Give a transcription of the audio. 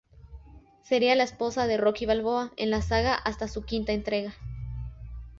Sería la esposa de Rocky Balboa en la saga hasta su quinta entrega.